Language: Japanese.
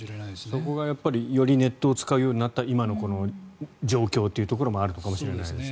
そこがよりネットを使うようになった今のこの状況というところもあるかもしれないですね。